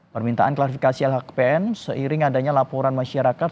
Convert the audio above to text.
permintaan klarifikasi lhkpn seiring adanya laporan masyarakat